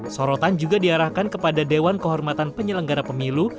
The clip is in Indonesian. sorotan juga diarahkan kepada dewan kehormatan penyelenggara pemilu